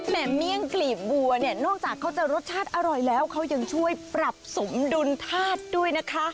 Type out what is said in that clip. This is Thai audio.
เมี่ยงกลีบบัวเนี่ยนอกจากเขาจะรสชาติอร่อยแล้วเขายังช่วยปรับสมดุลธาตุด้วยนะคะ